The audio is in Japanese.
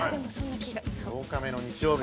８日目の日曜日。